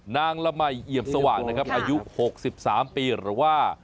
ละมัยเอี่ยมสว่างนะครับอายุ๖๓ปีหรือว่า